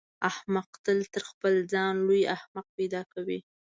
احمق تل تر خپل ځان لوی احمق پیدا کوي.